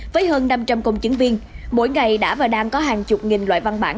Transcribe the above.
với hơn năm trăm linh công chứng viên mỗi ngày đã và đang có hàng chục nghìn loại văn bản